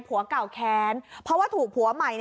ผัวเก่าแค้นเพราะว่าถูกผัวใหม่